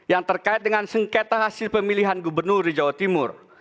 yang terkait dengan sengketa hasil pemilihan gubernur di jawa timur